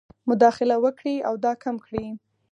مداخله وکړي او دا کم کړي.